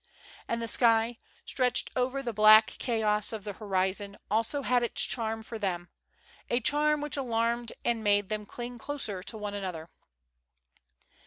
And the sky, stretched over the black chaos of the horizon, also had its charm for them, a charm which alarmed and made them cling closer to one another.